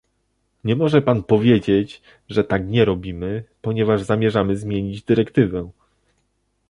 Nie może pan powiedzieć, że tak nie robimy, ponieważ zamierzamy zmienić dyrektywę